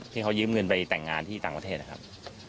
ที่เขายืมเงินไปแต่งงานที่ต่างประเทศนะครับ